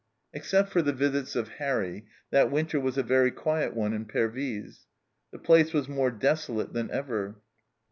Except for the visits of " Harry," that winter was a very quiet one in Pervyse. The place was more desolate than ever.